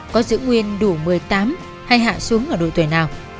có giữ nguyên đủ một mươi tám hay hạ xuống ở đội tuổi nào